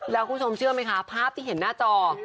แล้วคุณผู้ชมเชื่อไหมคะภาพที่เห็นหน้าจอ